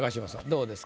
どうですか？